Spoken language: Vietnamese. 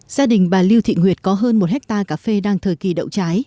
gia đình bà lưu thị nguyệt có hơn một hectare cà phê đang thời kỳ đậu trái